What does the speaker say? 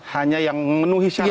hanya yang memenuhi syarat